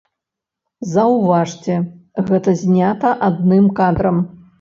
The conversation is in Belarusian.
Заўважце, гэта знята адным кадрам.